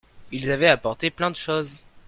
Ils avaient apporté plein de choses.